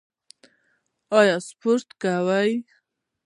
ایا سپورت کوئ؟